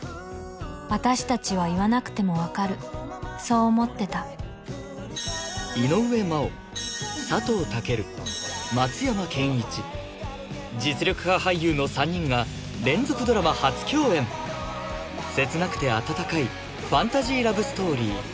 私たちは言わなくてもわかるそう思ってた実力派俳優の３人が連続ドラマ初共演切なくて温かいファンタジーラブストーリー